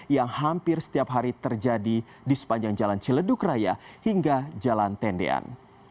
yang hampir setiap hari terjadi di sepanjang jalan ciledug raya hingga jalan tendean